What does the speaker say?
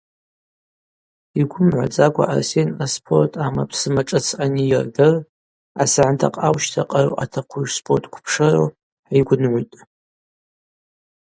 Йгвы мгӏвадзакӏва Арсен аспорт ъамапсыма шӏыц анийырдыр асагӏындакъаущтра къару ъатахъу йшспорт квпшыру гӏайгвынгӏвытӏ.